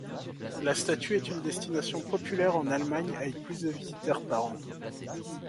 La statue est une destination populaire en Allemagne avec plus de visiteurs par an.